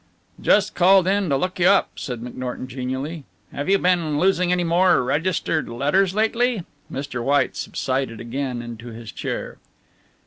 "Just called in to look you up," said McNorton genially. "Have you been losing any more registered letters lately?" Mr. White subsided again into his chair.